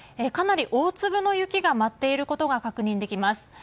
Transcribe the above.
かなり大粒の雪が舞っていることが確認できます。